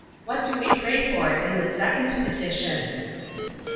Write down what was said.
What do we pray for in the second petition?